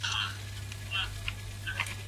زه اوس سبزیجات تياروم